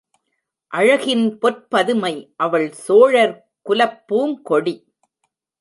அழகின் பொற்பதுமை அவள் சோழர் குலப்பூங் கொடி.